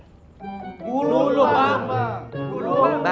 di buluh bang